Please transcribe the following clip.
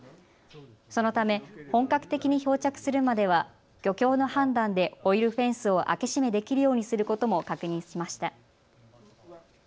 そのため本格的に漂着するまでは漁協の判断でオイルフェンスを開け閉めできるようにすることも確認しました。